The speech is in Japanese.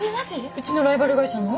うちのライバル会社の？